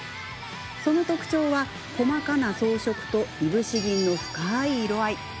その特徴は、細かな装飾といぶし銀の深い色合い。